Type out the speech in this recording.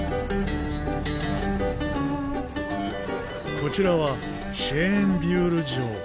こちらはシェーンビュール城。